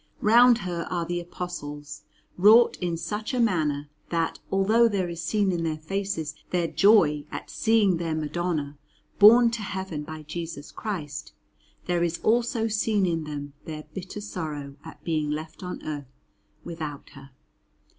Round her are the Apostles, wrought in such a manner, that, although there is seen in their faces their joy at seeing their Madonna borne to Heaven by Jesus Christ, there is also seen in them their bitter sorrow at being left on earth without her.